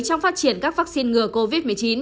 trong phát triển các vaccine ngừa covid một mươi chín